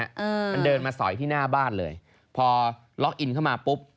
เออมันเดินมาสอยที่หน้าบ้านเลยพอล็อกอินเข้ามาปุ๊บ